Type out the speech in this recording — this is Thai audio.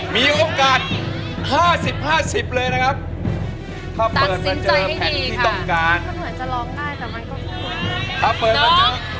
มีโอกาสห้าสิบห้าสิบเลยนะครับถ้าเปิดมันจะแผ่นที่ต้องการ